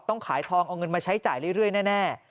ต้องขายทองเอาเงินมาใช้จ่ายเรื่อยแน่